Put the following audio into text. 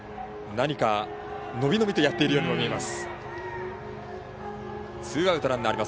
何か伸び伸びとやっているようにも見えます。